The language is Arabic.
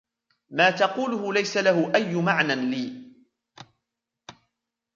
ما تقوله ليس له أيُ معنىً لي.